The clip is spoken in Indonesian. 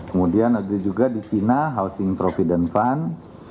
kemudian ada juga di china housing trofident fund